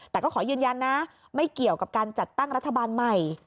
แต่ก็ขอยืนยันนะไม่เกี่ยวกับการจัดตั้งรัฐบาลใหม่